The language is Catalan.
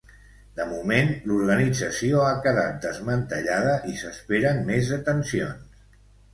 De moment, l'organització ha quedat desmantellada i s'esperen més detencions.